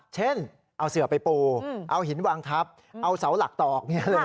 เช่นเอาเสือไปปูเอาหินวางทับเอาเสาหลักตอก